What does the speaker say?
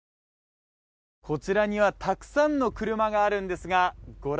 こちらにはたくさんの車があるんですがご覧